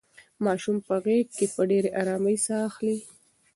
ماشوم په غېږ کې په ډېرې ارامۍ ساه اخیستله.